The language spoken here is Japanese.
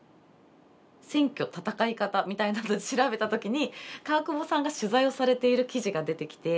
「選挙戦い方」みたいなので調べたときに川久保さんが取材をされている記事が出てきてすごく衝撃を受けて。